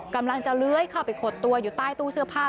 กำลังจะเลื้อยเข้าไปขดตัวอยู่ใต้ตู้เสื้อผ้า